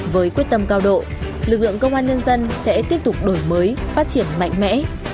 với quyết tâm cao độ lực lượng công an nhân dân sẽ tiếp tục đổi mới phát triển mạnh mẽ